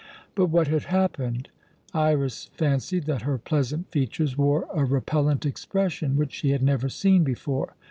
But what had happened? Iras fancied that her pleasant features wore a repellent expression which she had never seen before.